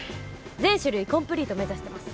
全種類コンプリート目指してます。